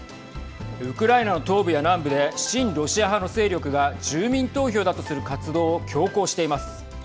ウクライナの東部や南部で親ロシア派の勢力が住民投票だとする活動を強行しています。